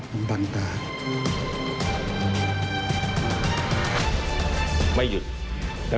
มีความรู้สึกว่ามีความรู้สึกว่า